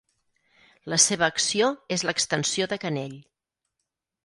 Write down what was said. La seva acció és l'extensió de canell.